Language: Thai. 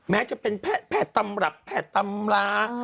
แม้จะเป็นแพทย์ตำรับแพทย์ตำรา